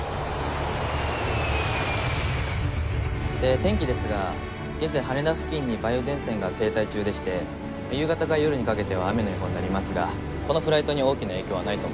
天気ですが現在羽田付近に梅雨前線が停滞中でして夕方から夜にかけては雨の予報になりますがこのフライトに大きな影響はないと思います。